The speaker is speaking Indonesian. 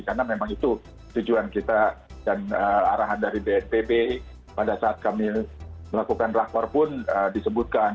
karena memang itu tujuan kita dan arahan dari bnpb pada saat kami melakukan rapor pun disebutkan